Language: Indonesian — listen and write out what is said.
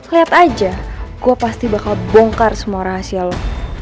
lihat aja gue pasti bakal bongkar semua rahasia lo